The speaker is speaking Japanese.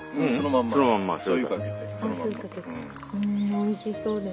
おいしそうでも。